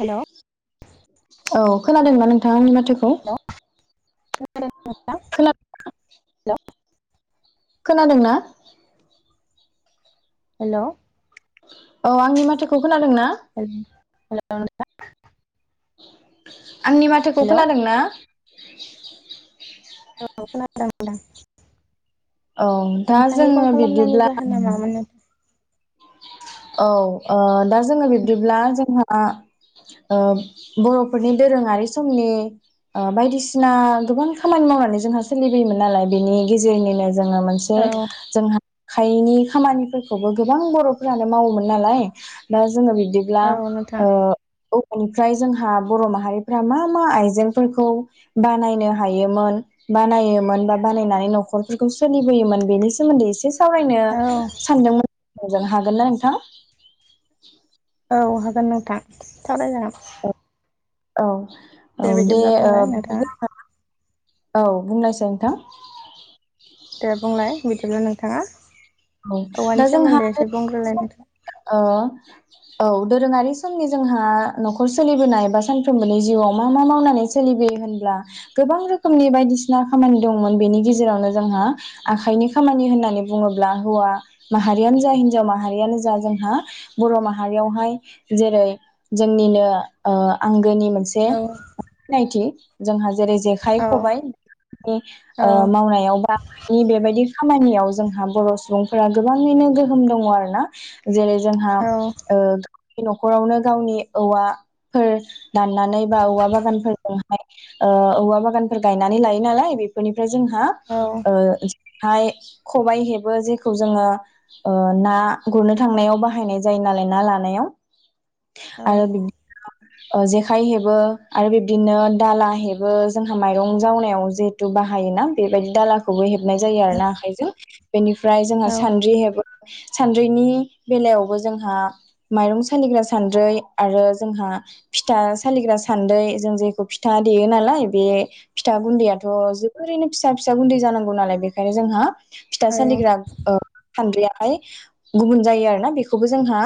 हेल' औ खोनादोंना नोंथांङा आंनि मा थोखौ [unintelligible] खोना खोनादोंना? हेलौ औ आंनि माथोखौ खोनादों ना? हेल हेलौ [unintelligible] [unintelligible] आंनि माथोखौ खोनादों ना? [unintelligible] औ खोनादों नोंथां औ दा नोंथांनि जोङो फन खालामनायनि बिब्दिब्ला जाहोना मामोन नों औ ओ दा जोङो बिब्दिब्ला जोंहा ओ बर'फोरनि दोरोङारि समनि ओ बायदिसिना गोबां खामानि मावनानै जोंहा सोलिबोयोमोन नालाय बेनि गेजेरनिनो जोङो मोनसे नोंथां औ जोंहा आखाइनि खामानिफोरखौबो गोबां बरफोरानो मावोमोन नालाय दा ज जोङो बिदिब्ला औ नोंथां ओ बेनिफ्राय जोंहा बर' माहारिफ्रा मा मा आइजेंफोरखौ बानायनो हायोमोन बानायोमोन बा-बानायनानै नखरफोरखौ सोलिबोयोमोन बेनि सोमोन्दै एसे स सावरायनो औ सानदोंमोन मोजां होगोन नो थां औ हागोन नोंथां सावराय जागोन। औ। औ दे ओ बुंलाय नोंथाङा बिदिब्ला होमबा ना औ बुंलायसै नोंथां दे बुंलाय बिदिब्ला नों थाङा। औ दा जोंहा नोंथां [unintelligible] अ। औ दोरोङारि समनि जोंहा नखर सोलिबोनाय बा सानफ्रोमबोनि जिउआव मा मा मावनानै सोलिबोयो होनब्ला गोबां रोखोमनि बायदिसिना खामानि दंमोन बेनि गेजेरावनो जोंहा आखाइनि खामानि होननानै बुङो ला होवा माहारिआनोजा हिनजाव माहारिआनो जा जोंहा बर माहयावहाय जेरै जोंनिनो ओ आं गोनि मोनसे औ सिनायथि। जोंहा जेरै जेखाइ खबाइनि औ ओ मावनायाव बा बेबायदि खामानियाव जोंहा म बर' सुबुंफोरा गोबाङैनो गोहोम दङ आरो ना जेरै जोंहा औ ओ नखरावनो गावनि औवाफोर दाननानै बा औवा बागानफोरजोंहाय ओ औव बा बागानफोर गायनानै लायो नालाय बेफ ओमफ्राय जोंहा औ ओ हाय खबायाइ हेब बो जेखौ जोङो ओ ना गुरनो थांनायाव बाहायनाय जायो नालाय ना लानायाव औ आरो बिब ओ जेखाइ हेबो आरो बिब्दिनो दाला हेबो जोंहा माइरं जावनायाव जिहेथु बाहायोना बेबायदि दाला खौबो हेबनाय जायो आरो ना आखाइजों बेनिफ्राय जोंहा औ सान्द्रि हेबो। सान्द्रिनि बेलायावबो जोंहा माइरं सालिग्रा सान्द्रै आरो जोंहा फिथा सालिग्रा सान्द्रै जों जेखौ फिथा देयो नालाय बे फिथा गुन्दैआथ जों ओरैनो फिसा फिसा गुन्दै जानांगौ नालाय बेखायनो जोंहा फिथा सालिग्रा ओ सान्द्रिआहाय गुबुन जायो आरोना बेखौबो जोंहा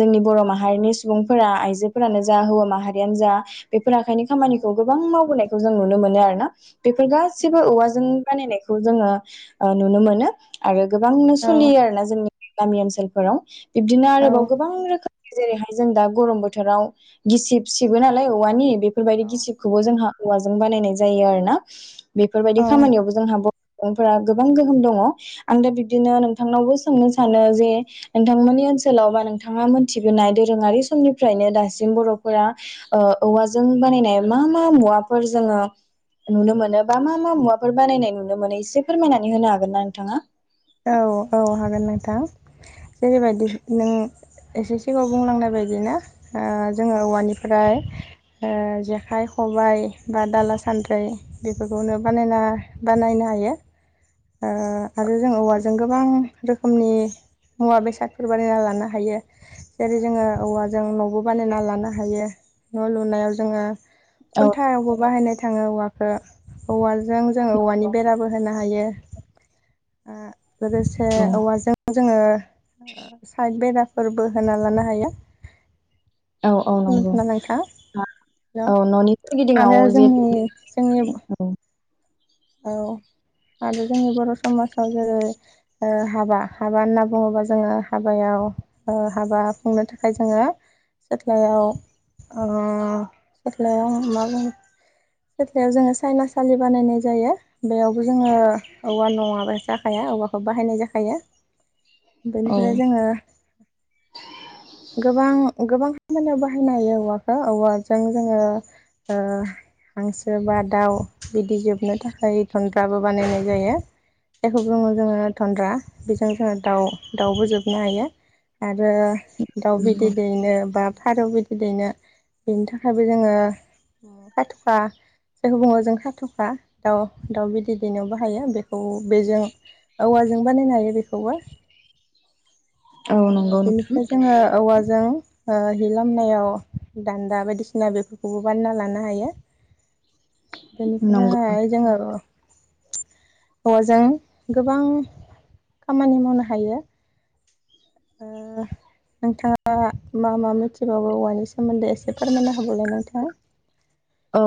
जोंनि बर माहारिनि सुबुंफोरा आइजोफोरानो जा हौवा माहारियानो जा बेफोर आखाइनि औ खामानिखौ गोबां मावबोनाय खौ जों नुनो मोनो आरो ना बेफोर गासिबो नंगौ औवाजों नोंथां बानायनाय खौ जोङो नुनो मोनो आरो गोबांनो औ सोलियो आरोना जोंनि गामि ओनसोलफोराव बिबदिनो औ आरोबाव गोबां नंगौ रोखोमनि जेरैहाय जों दा गरम बोथोराव गिसिब सिबो नालाय औवानि बेफोरबायदि औ गिसिबखौबो जोंहा औवाजों बानायनाय जायो आरोना बेफोरबायदि औ खामानियावबो जोंहा बह ओमफ्रा गोबां गोहोम दङ आं दा बिबदिनो नोंथांनावबो सोंनो सानो जे नोंथांमोननि ओनसोलाव बा नोंथाङा मोनथिबोनाय दोरोङारि समनिफ्रायनो दासिम बरफोरा अ औवाजों बानायनाय मा मा मुवाफोर जोङो नुनो मोनो बा मा मा मुवाफोर बानायनाय नुनो मोनो एसे फोरमायनानै होनो हागोन ना? नोंथाङा औ औ हागोन नोंथां जेरैबायदि नों एसे सिगाङाव बुंलांनाय बायदिनो ओ जोङो औवानिफ्राय ओ जेखाइ खबाइ बा दाला सानद्रै बेफोरखौनो बानायना बानायनो हायो आ आरो जों औवाजों गोबां रोखोमनि मुवा बेसादफोर बानायना लानो हायो जेरै जोङो औवाजों नबो बानायना लानो हायो न लुनायाव जोङो औ खुन्थायावबो बाहायनाय थाङो औवाखौ औवाल जों जों नंगौ औवानि बेराबो होना हायो आ लोगोसे औवाजों जोंङो ओ साइड बेराफोरबो होना लानो हायो। औ औ नंगौ खोनादोंना नोंथां [unintelligible] हेल' औ ननि सोरगिदिङाव आरो जोंनि जेबो जोंनि औ औ आरो जोंनि बर' समाज अ जेरै ओ हाबा हाबा होनना बुङोबा जोङो हाबायाव ओ हाबा खुंनो थाखाय जोंङो सेथ्लायाव ओ सेथ्लायाव मा बुंङो सेथ्लायाव सायनासालि बानायनाय जायो बेयावबो जोंङो औवा नङाबा जाखाया औवाखौ बाहायनाय जाखायो। बेनिफ्राय जोंङो गोबां गोबां खामानियाव बाहायनो हायो औवाखौ औवाजों जोंङो ओ हांसो बा दाउ बिदि जोबनो थाखाय थनन्द्राबो बानायनाय जायो। जायखौ बुङो जोङो थनन्द्रा बेजों जोङो दाउ दाउबो जोबनो हायो आरो रो दाउ बिदै नंगौ दैनो बा फारौ बिद दै नो बिनि थाखायबो जोंङो खाथखा जायखौ बुङो जों खाथखा दाउ दाउ बिद दैनायाव बाहायो बेखौ बेजों औवाजों बानायनोहायो बेखौबो। औ ओह नंगौ नोंथां बेनिफ्राय जोंङो औवाजों हो हि लामनायाव दान्दा बायदिसिना बेफोरखौबो बानना लानो हायो। नंगौ बेनिफ्राहाय हो औवाजों गोबां खामानि मावनो हायो ओह नोंथाङा मा मा मिथिबावो औवानि सोमोन्दै एसे फोरमायना होबावलाय नोंथाङा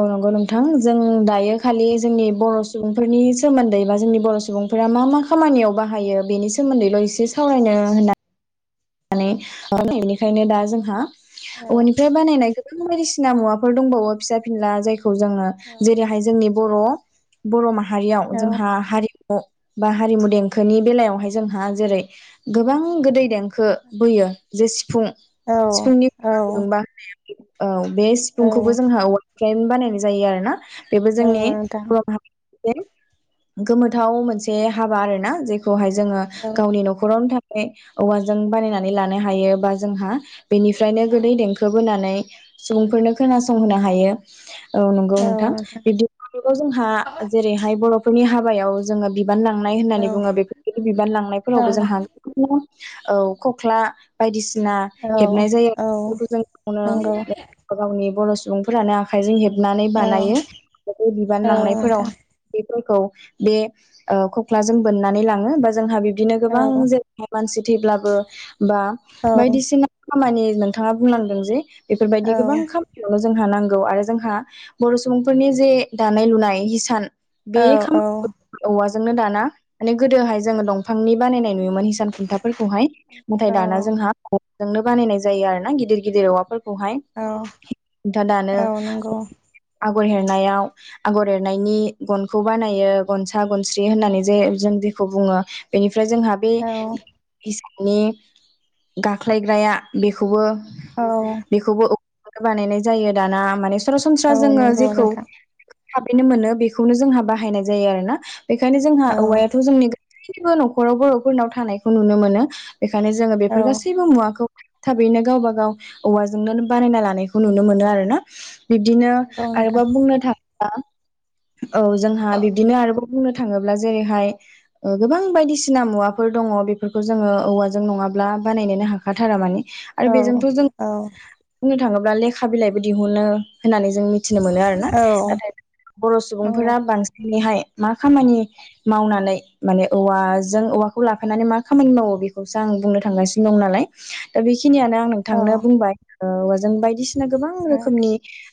औ नंगौ नोंथां जों दायो इयो खालि औ जोंनि बर' सुबुं फोरनि सोमोन्दै बा जोंनि बर' सुबुंफोरा मा मा खामानियाव बाहायो बेनि सोमोन्दैल एसे सावरायनो होनना नानै बेनिखायनो दा जोंहा औ औवानिफ्रय बानायनाय गोब गोबां बायदिसिना मुवाफोर दंबावो फिसा फिनला जाय खौ जोंङो जेरै हाय जोंनि बर' बरमा हारियाव औ जोंहा हारि अ बा हारिमु देंखोनि बेलायावहाय जोंहा जेरै गोबां गोदै देंखो बोयो जे सिफुं औ सिफुंनि औ गुदुंबा औ बे सिफुं औ खौबो जोंहा औवा फ्राय नो बानायनाय जायो आरोना बेबो औ जोंनि नोंथां [unintelligible] [unintelligible] गोमोथाव मोनसे हाबा आरोना जे बेखौहाय जोङो औ गावनि नखरावनो था बे औवाजों बानायना [unintelligible] लानोहायो बा जोंहा बेनिफ्रायनो गोदै देंखो खोबोनानै सुबुंफोरनो खोनासंहोनो हायो। औ नंगौ नोंथां बिबदिखायनोथ जोंहा जेरैहाय बर'फोरनि हाब हाबायाव जोङो बिब बिबान लांनाय होननानै औ बुङो बेफोरबायदि बिबान लांनायफोरावबो जोंहा औ [unintelligible] औ खख्ला बायदिसि सिना औ हेबनाय जायो औ बेफोरखौजों नंगौ गावनो गावनि बर' सुबुंफोरानो आखाइजों हेब हेबनानै औ बानायो बेफोरखौ बिबान औ लांनायफोराव नोंथां [unintelligible] बे ओ खख्लाजों बोननानै लाङो बा जोंहा बे बिदिनो गोबां औ जेरहाय मानसि थैब्लाबो बा औ बायदिसिना खामानि नोंथाङा बुंनांदों जे बेफोरबायदि गोबां औ खामानियावनो जोंहा नांगौ आरो जोंहा बर' सुबुंफोरनि जे दानाय लुनाय हिसान औ बे औ [unintelligible] औवाजों जोंनो दाना माने गोदोहाय जोङो दंफांनि बानायनाय नुयोमोन हिसान खुन्थाफोरखौहाय ओमफ्राय औ दाना जोंहा जोंनो बानायनाय जायो आरो ना गिदिर गिदिर औवाफोरखौ खौहाय औ [inaudible] था दानो औ नंगौ आगर एरनायाव आगर एरनायनि गनखौ बानायो गनसा गन स्रि होननानै जे जों बुङो बेनि ओमफ्राय जोंहा बे औ नि गाख्लायग्राया बेखौबो औ [unintelligible] बानायनाय जायो दाना माने सरासनस्रा औ जोङो नंगौ जेखौ नोंथां थाबैनो मोनो बेखौनो जोंहा बाहायनाय जायो आरो ना‌। बेखायनो जोंहा औ औवायाथ जोंनि गासैबो न'खराव बरफोरनाव थानायखौ नुनो मोनो। बेखायनो जोङो औ बेफोर गासैबो मुवाखौ थाबैनो गावबा गाव औवाजोंनो बानायना लानायखौ नुनो मोनो आरो ना बिब्दिनो नंगौ आरोबा नोंथां बुंनो थाङ बा औ जोंहा बिब्दिनो आरोबाव बुंनो था थाङोब्ला जेरैहाय गोबां बायदिसिना ओ मुवाफोर दङ' बेफोरखौ जों जों नङाब्ला बानायनोनो हाखाथारा माने आरो बेजोंथ जों औ बुंनो थाङोब्ला लेखा बिलाइबो दिहुनो होननानै जों मिथिनो मोनो आरोना औ नाथाय बर' नंगौ सुबुंफोरा बांसिनैहाय मा खामानि मावनानै माने औवाजों औवाखौ लाफानानै मा खामानि मावो बेखौ खौसो आं बुंनो थांगासिनो दं नालाय दा बे बेखिनियानो आं औ औ नोंथांनो बुंबाय । औ जों बायदिसिना गोबां रोखोमनि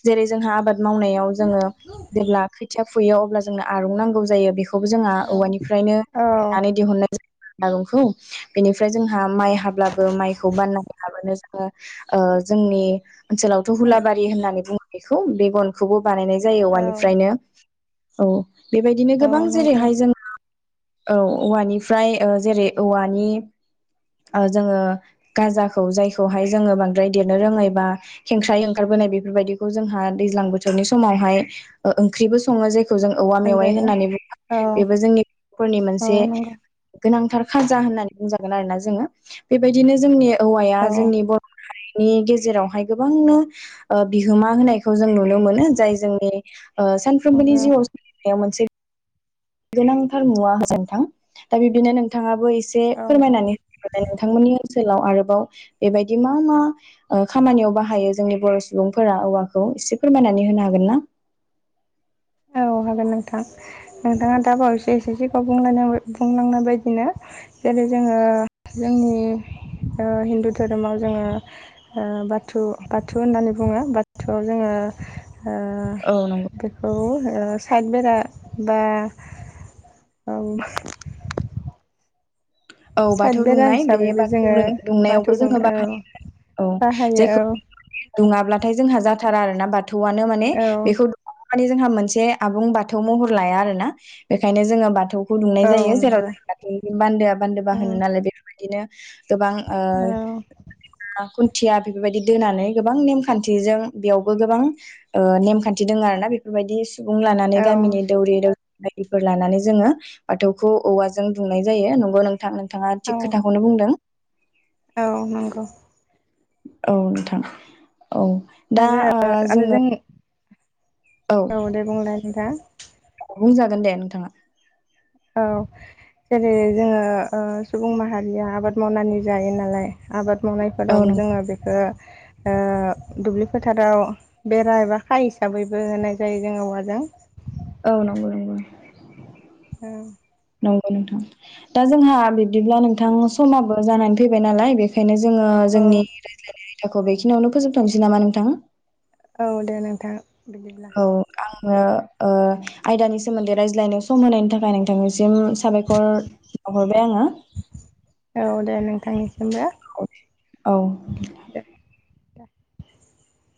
जेरै जोंहा आबाद मावनायाव जोङो जेब्ला खोथिया फुयो अब्ला जोंनो आरुं नांगौ जायो बेखौ बे खौबो जोंहा औ औवानिफ्रायनोनानै दिहुननाय जा [unintelligible] बेनिफ्राय जों माइ हाब्लाबो माइखौ बाननानै लाबोनो जा ओ जोंनि ओनसोलावथ हुलाबारि होननानै बुङो। बेखौ बेेगनखौबो बानायनाय जायो औ औवानिफ्रायनो औ बेबायदिनो औ गोबां नंगौ जेरैहाय जोङो औ औवानिफ्राय जेरै औवानि जोङो गाजाखौ जायखौहाय जोङो बांद्राय देरनो रोङै बा खेंख्राय ओंखारबोनाय बेफोरबायदिखौ जोंहा दैज्लां बोथोरनि समावहाय ओंख्रिबो सङो जे खौ जों औवा मेवाइ मोनजायो होननानै बुङो औ बेबो जोंनिफोरनि औ मोनसे नंगौ गोनांथार खाजा होननानै बुंजागोन आरोना जोङो बेबायदिनो जोंनि औवाया औ जोंनि बर' हारि नि गेजेरावहाय गोबांनो बिहोमा होनाय - खौ जों नुनो मोनो जाय जोंनि ओ सानफ्रोमबोनि नंगौ जिउआव बेयाव मोनसे गोनांथार मुवा होजोनथां दा बिब्दिनो नोंथाङा बो एसे औ नंगौ फोरमायनानै नोंथांमोननि ओनसो सोलाव आरोबाव बेबायदि मा मा खामानियाव बाहायो जोंनि बर सुबुंफोरा औवाखौ एसे फोरमायनानै होनो हागोन ना औ हागोन नोंथां नोंथाङा दा बावैसो एसे सिगाङावलाय बुंलांनाय बायदिनो जेरै जोङो जोंनि ओ हिन्दु धोरोमाव जोङो ओ बाथु बाथु होननानै बुङो बाथुआव जोङो ओ औ नंगौ ओ ओ साइद बेरा बा उम। औ बाथौ दुंनाय बे जोङो बाथौनो दुंनायावबो बाथौ दं जोङो औ बाहायो औ बाहायो जायखौ दुङाब्लाथाय जोंहा जाथारा आरोना बाथ थौआनो माने औ बेखौ माने जोंहा मोनसे आबुं बाथौ महर लाया आरोना बेखायनो जोङो बाथौ खौ दुमनाय औ जायो जेराव नंगौ बाथौनि बान्दोआ एबा होनो नालाय देखायबाय बिदिनो गोबां औ ओ खुन्थिया बेफोरबायदि दोनानै गोबां नेमखान्थिजों बेयावबो गोबां ओ नेमखान्थि दों आरोना बेफोरबायदि सो सुबुं लानानै औ गामिनि दौरि दौ बायदिफोर लानानै जोङो बाथौखौ औवाजों दुमनाय जायो नंगौ नों थां। थाङा औ थिग खोथाखौनो बुंदों। औ नंगौ औ नोंथां। औ दा आरो ओ आरो जोङो जोंनि औ दे बुंलाय नोंथां बुंजागोन दे नोंथाङा औ जेरै जोङो ओ सुबुं माहारिया आबाद मावनानै जायो नालाय आबाद औ मावनायफोरावबो नं जोङो बेखो ओ दुब्लि फोथाराव बेरा एबा खाय हिसाबैबो होनाय जायो जोङो औवाजों औ नंगौ नंगौ। उम। नंगौ नोंथां दा जोंहा बि बिदिब्ला नोंथां समा ओ जानानै फैबाय नालाय बे बेखायनो औ जोङो औ जोंनि रायज्लायनाय, बाथ्राखौ बेखिनियावनो फोजोबथनोसै नामा नोंथां? औ दे नोंथां, बिदिब्ला, ओ ओ आयदानि सोमोन्दै रायज्लायनाय सम होनायनि थाखाय नोंथांनिसिम साबायखर बाउहरबाय आङो, औ दे नोंथांनिसिमबो, उट औ [inaudible]